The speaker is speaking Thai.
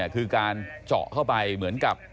คือการเจาะเข้าไปเหมือนกับ